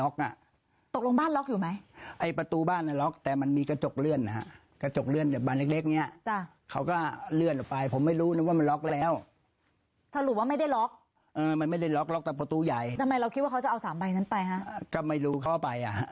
ก็ไม่รู้เขาไปโอน่ะ